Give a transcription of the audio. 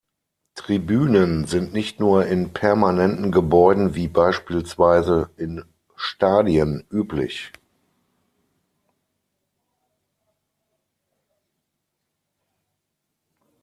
Tribünen sind nicht nur in permanenten Gebäuden wie beispielsweise in Stadien üblich.